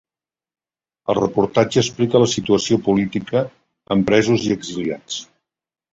El reportatge explica la situació política, amb presos i exiliats.